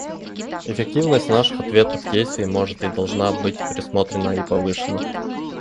Эффективность наших ответных действий может и должна быть пересмотрена и повышена.